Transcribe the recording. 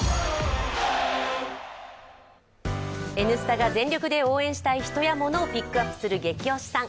「Ｎスタ」が全力で応援したい人やものをピックアップする「ゲキ推しさん」。